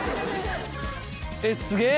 えっすげえ！